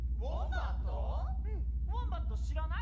うんウォンバット知らない？